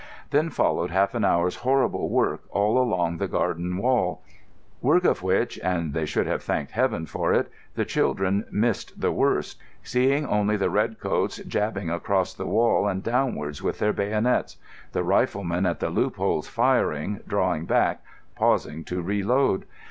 Then followed half an hour's horrible work all along the garden wall; work of which (and they should have thanked Heaven for it) the children missed the worst, seeing only the red coats jabbing across the wall and downwards with their bayonets; the riflemen at the loopholes firing, drawing back, pausing to re load.